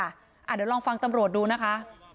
เดี๋ยวลองฟังตำรวจดูนะคะ